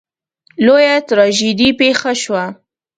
لویه تراژیدي پېښه شوه.